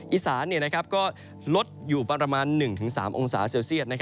อีสานก็ลดอยู่ประมาณ๑๓องศาเซลเซียต